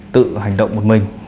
tự hành động một mình